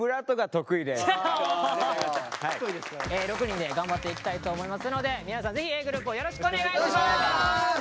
６人で頑張っていきたいと思いますので皆さんぜひお願いします！